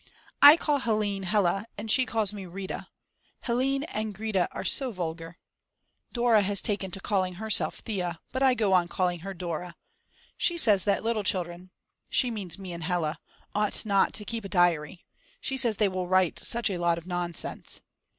I call Helene "Hella," and she calls me "Rita;" Helene and Grete are so vulgar. Dora has taken to calling herself "Thea," but I go on calling her "Dora." She says that little children (she means me and Hella) ought not to keep a diary. She says they will write such a lot of nonsense.